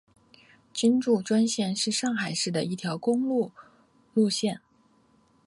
金祝专线是上海市的一条公交路线。